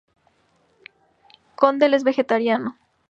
Condell es vegetariano.